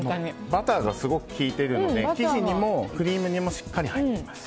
バターがすごく効いているので生地にもクリームにもしっかり入ってます。